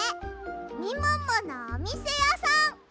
みもものおみせやさん！